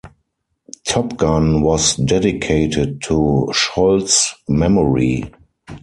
"Top Gun" was dedicated to Scholl's memory.